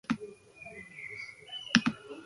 Hirugarren eztanda bat entzun nuen.